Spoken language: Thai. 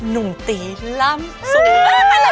รีบเหรอ